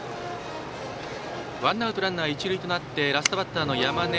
ワンアウトランナー、一塁となってラストバッターの山根。